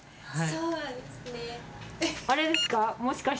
あれですか？